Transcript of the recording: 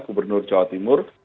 gubernur jawa timur